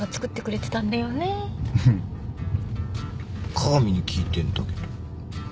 加賀美に聞いてんだけど。